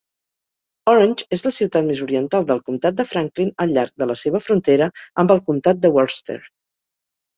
Orange és la ciutat més oriental del comtat de Franklin al llarg de la seva frontera amb el comtat de Worcester.